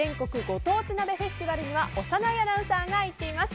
ご当地鍋フェスティバルには小山内アナウンサーが行っています。